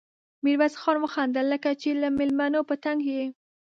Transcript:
ميرويس خان وخندل: لکه چې له مېلمنو په تنګ يې؟